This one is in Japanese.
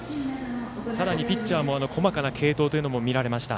さらにピッチャーの細かな継投も見られました。